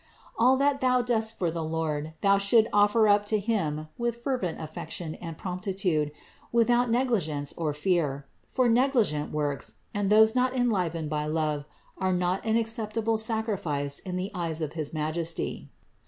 All that thou dost for the Lord, thou should offer up to Him with fervent affection and promptitude, without negligence or fear; for negligent works, and those not enlivened by love, are not an ac ceptable sacrifice in the eyes of his Majesty.